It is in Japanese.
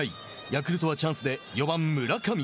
ヤクルトはチャンスで４番、村上。